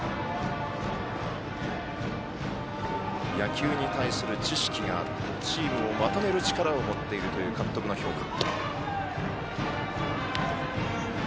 野球に対する知識があってチームをまとめる力を持っているという監督の評価。